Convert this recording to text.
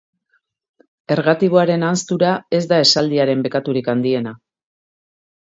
Ergatiboaren ahanztura ez da esaldiaren bekaturik handiena.